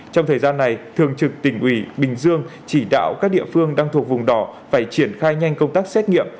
trong thời gian này thường trực tỉnh ủy bình dương chỉ đạo các địa phương đang thuộc vùng đỏ phải triển khai nhanh công tác xét nghiệm